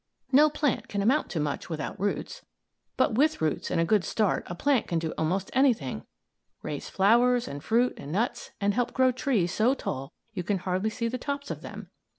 No plant can amount to much without roots. But with roots and a good start a plant can do almost anything raise flowers and fruit and nuts, and help grow trees so tall you can hardly see the tops of them.